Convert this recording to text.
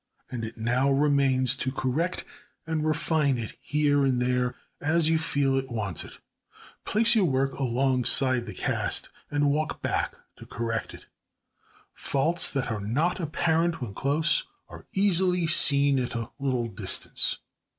And it now remains to correct and refine it here and there, as you feel it wants it. Place your work alongside the cast, and walk back to correct it. Faults that are not apparent when close, are easily seen at a little distance.